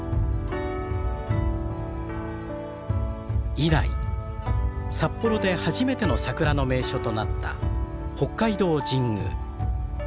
以来札幌で初めての桜の名所となった北海道神宮。